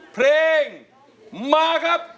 เพลงมาครับ